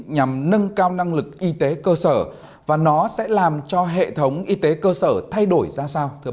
nhằm nâng cao năng lực y tế cơ sở và nó sẽ làm cho hệ thống y tế cơ sở thay đổi ra sao